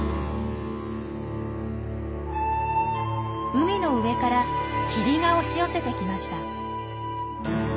海の上から霧が押し寄せてきました。